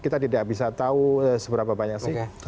kita tidak bisa tahu seberapa banyak sih